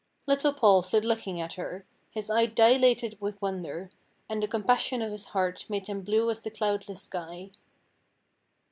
Little Paul stood looking at her, his eyes dilated with wonder, and the compassion of his heart made them blue as the cloudless sky.